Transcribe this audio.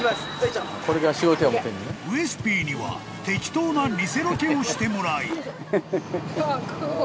［ウエスＰには適当な偽ロケをしてもらい］